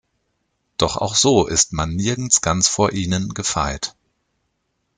Doch auch so ist man nirgends ganz vor ihnen gefeit.